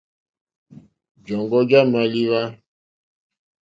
Jɔ̀ŋɡɔ́ já !málíwá.